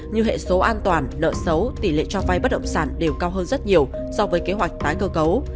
như hệ số an toàn nợ xấu tỷ lệ cho vay bất động sản đều cao hơn rất nhiều so với kế hoạch tái cơ cấu